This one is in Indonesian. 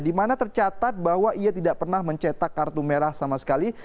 di mana tercatat bahwa ia tidak pernah mencetak kartu merah sama sekali